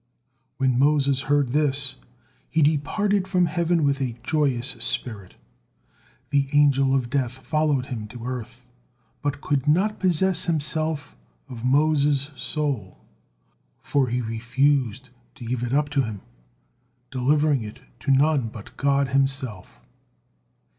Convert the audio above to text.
When Moses had heard this, he departed from heaven with a joyous spirit. The Angel of Death followed him to earth, but could not possess himself of Moses' soul, for he refused to give it up to him, delivering it to none but God Himself.